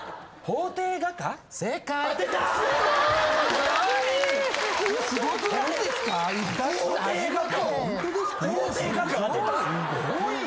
法廷画家を。